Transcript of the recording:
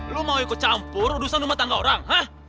lo mau ikut campur urusan rumah tangga orang